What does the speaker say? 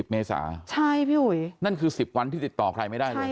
เมษาใช่พี่อุ๋ยนั่นคือ๑๐วันที่ติดต่อใครไม่ได้เลย